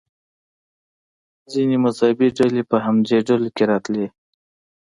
ځینې مذهبي ډلې په همدې ډلو کې راتلې.